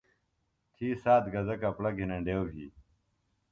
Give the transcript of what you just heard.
تھی سات گزہ کپڑہ گھِنینڈیوۡ بھی۔